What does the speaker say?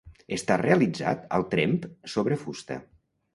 Està realitzat al tremp sobre fusta.